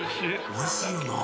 おいしいよな。